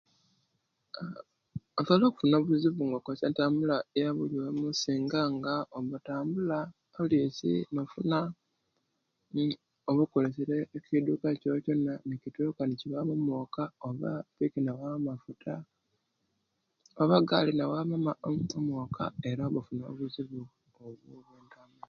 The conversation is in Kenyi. Osobola okusuna obuzibu nga okoyesiya entambula eyabiliomu singanga otambula oluisi nofuna oba ekiduka ki yokyona nekiwa mu omwoka oba pici newamu amafuta oba Gali newamu omwoka eraoba ofuna obuzibu